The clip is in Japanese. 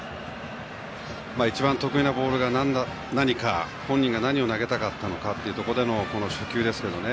一番得意なボールが何か本人が何を投げたかったのかというところでの初球ですけどね。